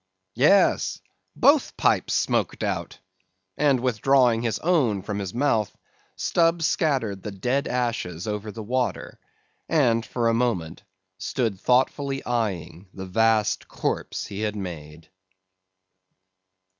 "Yes; both pipes smoked out!" and withdrawing his own from his mouth, Stubb scattered the dead ashes over the water; and, for a moment, stood thoughtfully eyeing the vast corpse he had made.